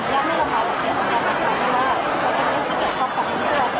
แต่ว่าถ้าเรามาจัดสินที่